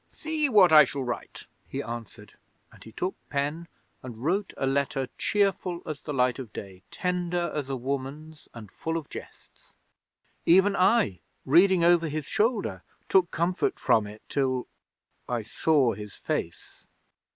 '"See what I shall write," he answered, and he took pen and wrote a letter cheerful as the light of day, tender as a woman's and full of jests. Even I, reading over his shoulder, took comfort from it till I saw his face!